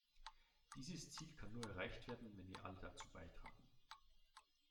Dieses Ziel kann nur erreicht werden, wenn wir alle dazu beitragen.